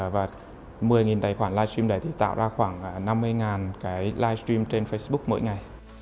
và một mươi tài khoản live stream đấy thì tạo ra khoảng năm mươi cái live stream trên facebook mỗi ngày